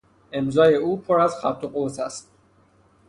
امضای او پراز خط و قوس است.